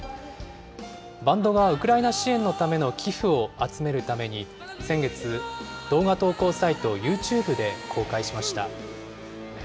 バンドがウクライナ支援のための寄付を集めるために、先月、動画投稿サイト、ＹｏｕＴｕｂｅで公開しました。